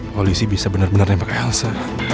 polisi bisa benar benar nembak elsa